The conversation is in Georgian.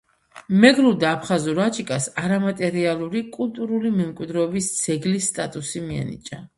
მეგრულ და აფხაზურ აჯიკას არამატერიალური კულტურული მემკვიდრეობის ძეგლის სტატუსი მიენიჭა.